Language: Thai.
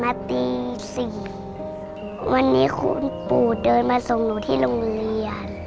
เมื่อฉ่านุกตื่นมันตั้งกลุ่ม๔วันนี้คุณปู่เดินมาส่งหนูที่โรงเรียน